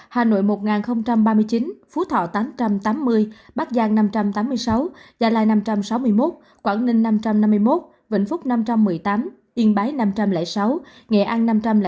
hà nội một nghìn ba mươi chín phú thọ tám trăm tám mươi bắc giang năm trăm tám mươi sáu gia lai năm trăm sáu mươi một quảng ninh năm trăm năm mươi một vĩnh phúc năm trăm một mươi tám yên bái năm trăm linh sáu nghệ an năm trăm linh bốn